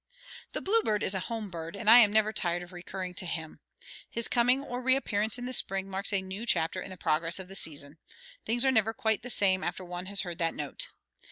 The bluebird is a home bird, and I am never tired of recurring to him. His coming or reappearance in the spring marks a new chapter in the progress of the season; things are never quite the same after one has heard that note.